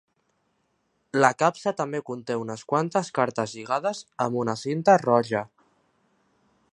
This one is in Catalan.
La capsa també conté unes quantes cartes lligades amb una cinta roja.